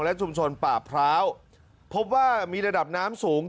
และชุมชนป่าพร้าวพบว่ามีระดับน้ำสูง